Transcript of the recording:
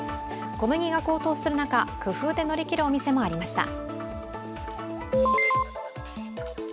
小麦が高騰する中工夫で乗り切るお店もありました。